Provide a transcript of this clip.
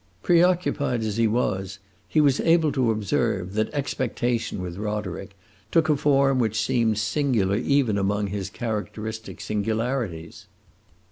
Preoccupied as he was, he was able to observe that expectation, with Roderick, took a form which seemed singular even among his characteristic singularities.